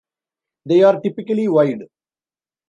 They are typically - wide.